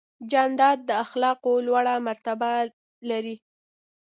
جانداد د اخلاقو لوړه مرتبه لري.